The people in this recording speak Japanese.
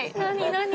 何？